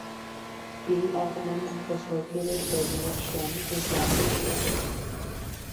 B. Altman's was located where Nordstrom is now situated.